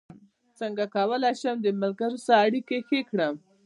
څنګه کولی شم د ملګرو سره اړیکې ښې کړم